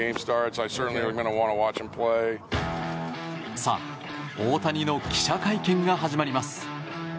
さあ、大谷の記者会見が始まります。